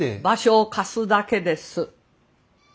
場所を貸すだけです。